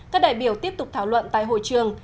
các đại biểu tiếp tục thảo luận tại hội trường